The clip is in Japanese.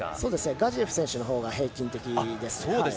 ガジエフ選手のほうが平均的です。